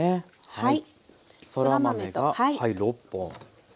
はい。